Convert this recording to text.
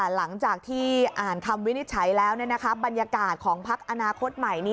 หลังจากที่อ่านคำวินิจฉัยแล้วบรรยากาศของพักอนาคตใหม่นี้